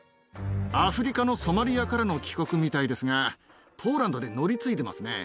アフリカのソマリアからの帰国みたいですが、ポーランドで乗り継いでますね。